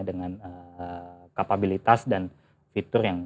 dengan kapabilitas dan fitur yang